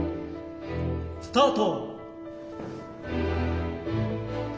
スタート。